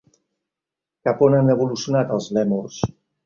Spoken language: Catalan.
Cap a on han evolucionat els lèmurs?